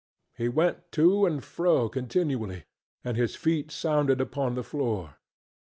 He went to and fro continually, and his feet sounded upon the floor.